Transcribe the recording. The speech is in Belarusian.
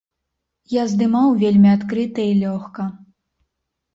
Я здымаў вельмі адкрыта і лёгка.